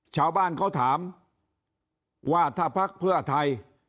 ชาวบ้านเขาถามว่าถ้าพักเพื่อไทย